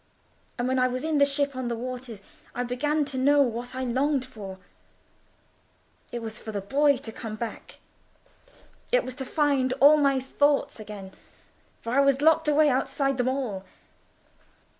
And when I was in the ship on the waters I began to know what I longed for; it was for the Boy to come back—it was to find all my thoughts again, for I was locked away outside them all.